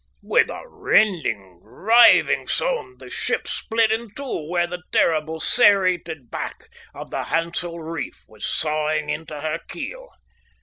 With a rending, riving sound the ship split in two where the terrible, serrated back of the Hansel reef was sawing into her keel.